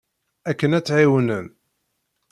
Akken ad tt-ɛiwnen.